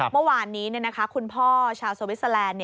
เมื่อวานนี้คุณพ่อชาวสวิสเตอร์แลนด์